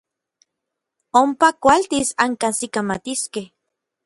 Ompa kualtis ankajsikamatiskej.